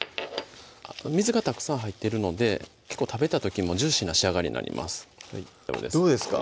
水がたくさん入ってるので結構食べた時もジューシーな仕上がりになりますどうですか？